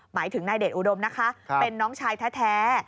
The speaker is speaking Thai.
หมายถึงนายเดชอุดมนะคะเป็นน้องชายแท้